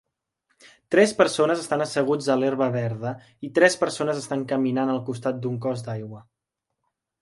Tres persones estan asseguts a l'herba verda i tres persones estan caminant al costat d'un cos d'aigua.